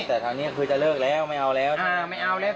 แต่ทางนี้คือจะเลิกแล้วไม่เอาแล้วใช่ไหม